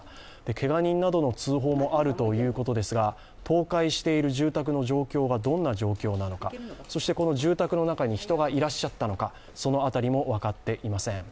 けが人などの通報もあるということですが、倒壊している住宅の状況がどんな状況なのかそしてこの住宅の中に人がいらっしゃったのかそのあたりも分かっていません。